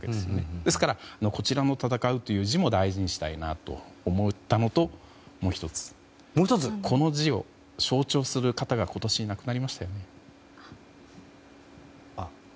ですからこちらの「闘」という字も大事にしたいと思ったのともう１つこの字を象徴する方が今年亡くなりましたよね。